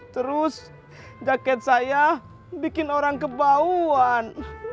terus jaket saya bikin orang kebauan